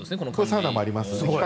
サウナもあります。